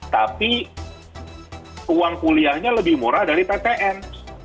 tapi uang kuliahnya lebih murah dari ptn